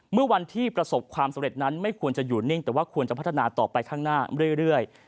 เมื่อวันที่ประสบความสำเร็จนั้นไม่ควรจะอยู่นิ่งแต่ว่าควรจะพัฒนาต่อไปข้างหน้าเรื่อย